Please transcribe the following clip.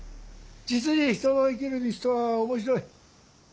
実に人の生きる道とは面白い。